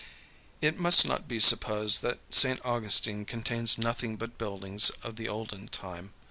It must not be supposed that St. Augustine contains nothing but buildings of the olden time.